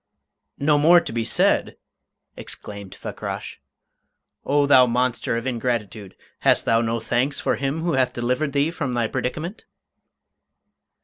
"No more to be said!" exclaimed Fakrash. "O thou monster of ingratitude, hast thou no thanks for him who hath delivered thee from thy predicament?"